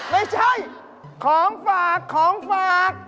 ไม่ใช่ของฝากของฝาก